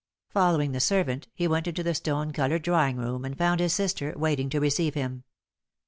Following the servant, he went into the stone coloured drawing room, and found his sister waiting to receive him.